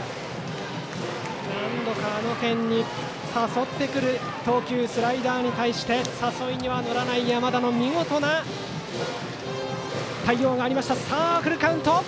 何度かあの辺に誘ってくる投球スライダーに対して誘いには乗らない山田の見事な対応がありました。